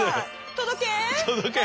届け。